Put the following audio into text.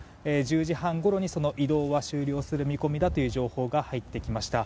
１０時半ごろに移動は終了する見込みだという情報が入ってきました。